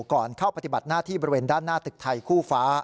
ก่อนเข้าปฏิบัติหน้าที่บริเวณด้านหน้าตึกไทยคู่ฟ้า